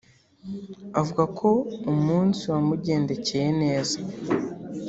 avuga ko umunsi wamugendekeye neza